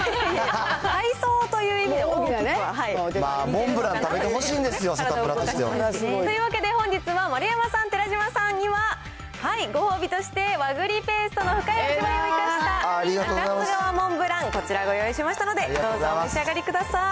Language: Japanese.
モンブラン食べてほしいんですよ、サタプラとしては。というわけで、本日は丸山さん、寺島さんには、ご褒美として、和栗ペーストの深い味わいを生かした中津川モンブラン、こちらご用意しましたので、どうぞお召し上がりください。